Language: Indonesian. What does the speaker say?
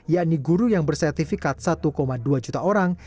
yakni guru yang bersertifikat satu dua juta orang